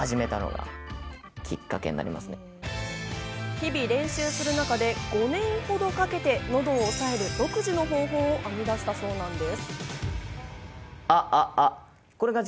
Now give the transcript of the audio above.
日々練習する中で５年ほどかけて喉を押さえる独自の方法を編み出したそうなんです。